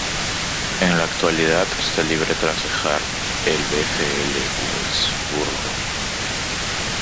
En la actualidad está libre tras dejar el VfL Wolfsburgo.